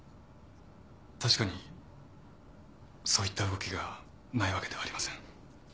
確かにそう言った動きがないわけではありません。